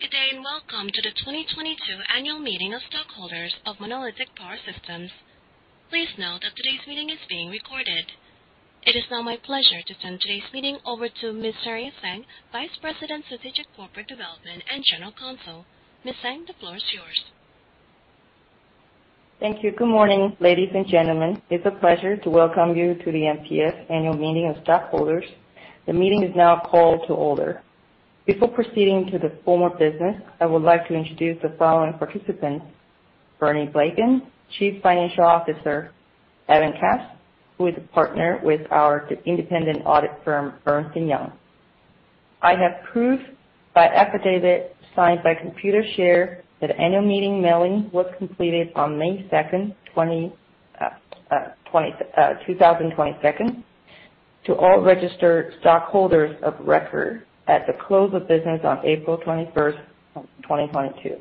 Good day, and welcome to the 2022 annual meeting of stockholders of Monolithic Power Systems. Please note that today's meeting is being recorded. It is now my pleasure to turn today's meeting over to Ms. Saria Tseng, Vice President, Strategic Corporate Development and General Counsel. Ms. Tseng, the floor is yours. Thank you. Good morning, ladies and gentlemen. It's a pleasure to welcome you to the MPS annual meeting of stockholders. The meeting is now called to order. Before proceeding to the formal business, I would like to introduce the following participants: Bernie Blegen, Chief Financial Officer, Evan Cass, who is a partner with our independent audit firm, Ernst & Young. I have proof by affidavit signed by Computershare that annual meeting mailing was completed on May 2, 2022, to all registered stockholders of record at the close of business on April 21, 2022.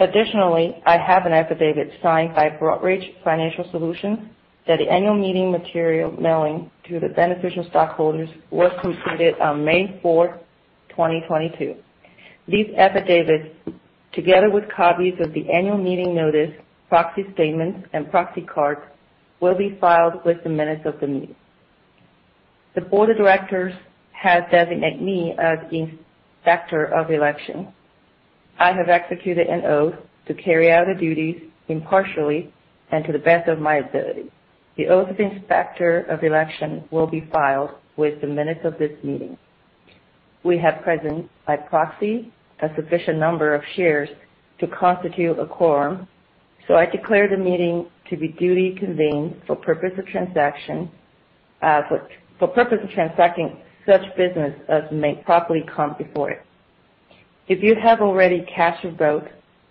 Additionally, I have an affidavit signed by Broadridge Financial Solutions that the annual meeting material mailing to the beneficial stockholders was completed on May 4, 2022. These affidavits, together with copies of the annual meeting notice, proxy statements, and proxy cards, will be filed with the minutes of the meeting. The board of directors has designated me as inspector of election. I have executed an oath to carry out the duties impartially and to the best of my ability. The oath of inspector of election will be filed with the minutes of this meeting. We have present by proxy a sufficient number of shares to constitute a quorum, so I declare the meeting to be duly convened for purpose of transacting such business as may properly come before it. If you have already cast your vote,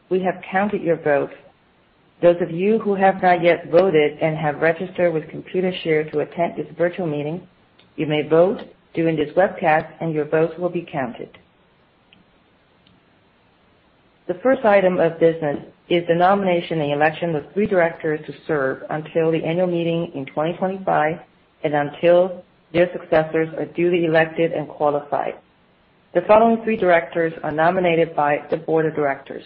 we have counted your vote. Those of you who have not yet voted and have registered with Computershare to attend this virtual meeting, you may vote during this webcast, and your vote will be counted. The first item of business is the nomination and election of three directors to serve until the annual meeting in 2025 and until their successors are duly elected and qualified. The following three directors are nominated by the board of directors.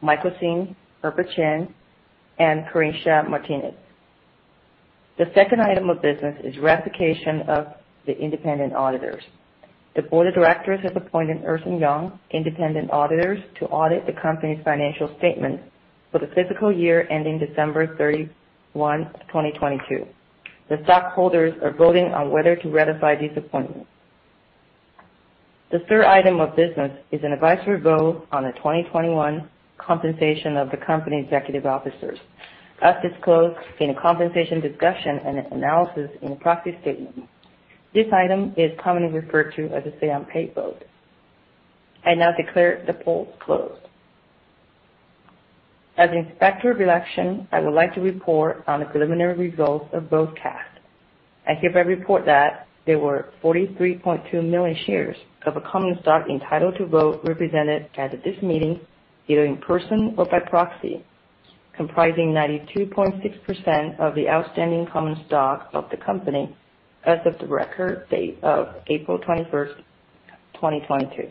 Michael Hsing, Herbert Chang, and Carintia Martinez. The second item of business is ratification of the independent auditors. The board of directors has appointed Ernst & Young independent auditors to audit the company's financial statements for the fiscal year ending December 31, 2022. The stockholders are voting on whether to ratify these appointments. The third item of business is an advisory vote on the 2021 compensation of the company executive officers, as disclosed in a Compensation Discussion and analysis in the proxy statement. This item is commonly referred to as a say-on-pay vote. I now declare the polls closed. As inspector of election, I would like to report on the preliminary results of votes cast. I hereby report that there were 43.2 million shares of common stock entitled to vote represented at this meeting, either in person or by proxy, comprising 92.6% of the outstanding common stock of the company as of the record date of April 21, 2022.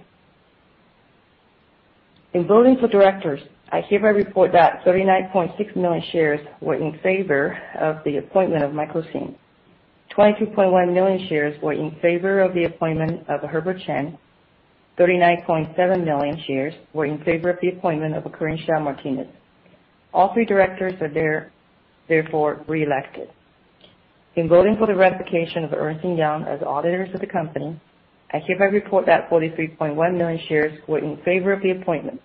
In voting for directors, I hereby report that 39.6 million shares were in favor of the appointment of Michael Hsing. 22.1 million shares were in favor of the appointment of Herbert Chang. 39.7 million shares were in favor of the appointment of Carintia Martinez. All three directors are there, therefore reelected. In voting for the ratification of Ernst & Young as auditors of the company, I hereby report that 43.1 million shares were in favor of the appointment.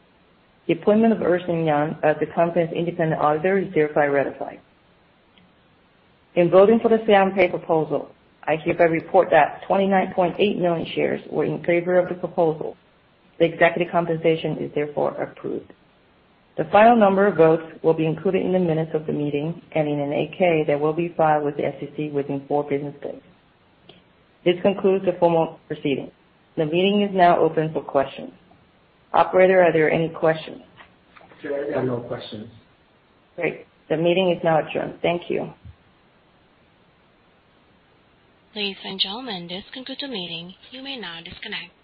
The appointment of Ernst & Young as the company's independent auditor is hereby ratified. In voting for the say-on-pay proposal, I hereby report that 29.8 million shares were in favor of the proposal. The executive compensation is therefore approved. The final number of votes will be included in the minutes of the meeting and in a 8-K that will be filed with the SEC within four business days. This concludes the formal proceeding. The meeting is now open for questions. Operator, are there any questions? Saria, I have no questions. Great. The meeting is now adjourned. Thank you. Ladies and gentlemen, this concludes the meeting. You may now disconnect.